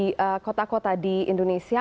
yang sudah diterapkan di kota kota di indonesia